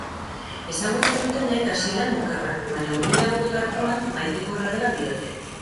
Ezagutzen dutenek hasieran mukerra, baina hurbilagoko tratuan maitekorra dela diote.